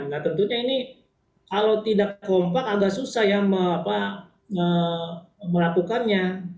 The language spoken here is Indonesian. nah tentunya ini kalau tidak kompak agak susah ya melakukannya